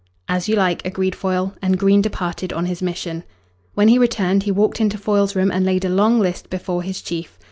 "As you like," agreed Foyle, and Green departed on his mission. When he returned, he walked into Foyle's room and laid a long list before his chief.